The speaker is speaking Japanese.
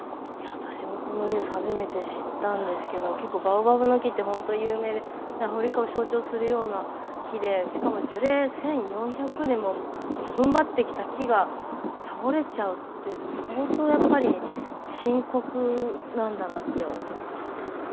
私もこのニュース初めて知ったんですけどバオバブの木って有名でアフリカを象徴するような木でしかも樹齢１４００年もふんばってきた木が倒れちゃうって相当、深刻なんだなって思います。